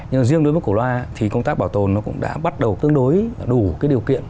nhưng mà riêng đối với cổ loa thì công tác bảo tồn nó cũng đã bắt đầu tương đối đủ cái điều kiện